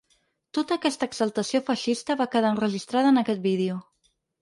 Tota aquesta exaltació feixista va quedar enregistrada en aquest vídeo.